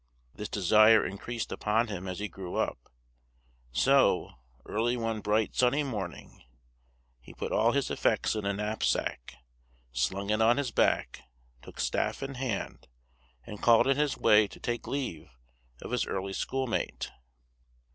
This desire increased upon him as he grew up; so, early one bright, sunny morning, he put all his effects in a knapsack, slung it on his back, took staff in hand, and called in his way to take leave of his early schoolmate.